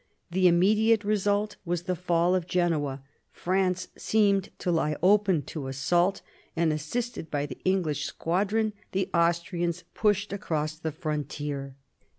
The immediate result was the fall of Genoa. France seemed to lie open to assault, and, assisted by the English squadron, the Austrians pushed across the frontier.